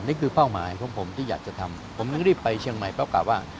นี่คือเป้าหมายของผมที่อยากจะทำผมยังรีบไปเชียงใหม่เป็นโอกาสว่า